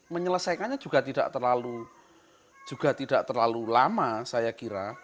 menyelesaikannya juga tidak terlalu lama saya kira